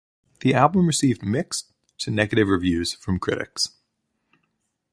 The album received mixed to negative reviews from critics.